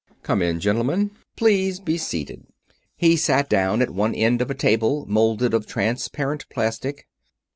"Come in, gentlemen.... Please be seated." He sat down at one end of a table molded of transparent plastic.